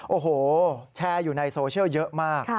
โอ้โหแชร์อยู่ในโซเชียลเยอะมาก